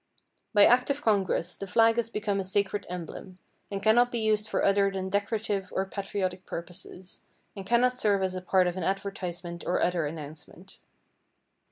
By act of Congress, the flag has become a sacred emblem, and cannot be used for other than decorative or patriotic purposes, and cannot serve as a part of an advertisement or other announcement.